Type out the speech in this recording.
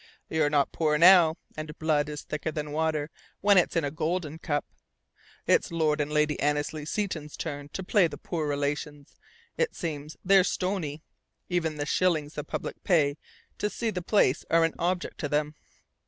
"You're not poor now. And blood is thicker than water when it's in a golden cup. It's Lord and Lady Annesley Seton's turn to play the poor relations. It seems they're stony. Even the shillings the public pay to see the place are an object to them."